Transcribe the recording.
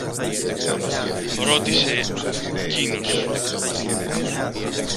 ρώτησε κείνος.